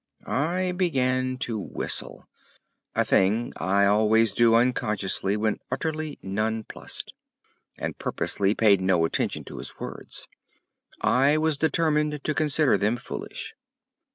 I began to whistle—a thing I always do unconsciously when utterly nonplussed—and purposely paid no attention to his words. I was determined to consider them foolish.